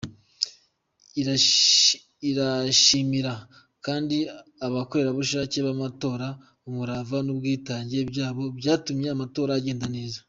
Irashimira kandi abakorerabushake b’amatora umurava n’ubwitange byabo, byatumye amatora agenda neza.